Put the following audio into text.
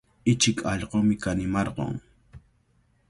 Ichik allqumi kanimarqun.